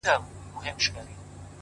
گــــوره زمــا د زړه ســـكــــونـــــه!!